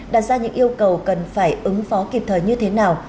đặt ra những yêu cầu cần phải ứng phó kịp thời như thế nào